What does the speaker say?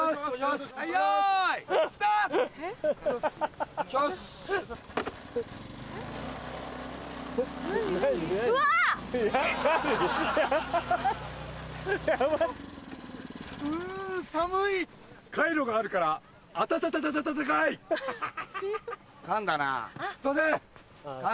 すいません！